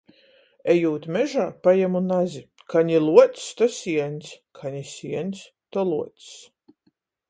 Ejūt mežā, pajemu nazi. Ka ni luocs, to sieņs. Ka ni sieņs, to luocs.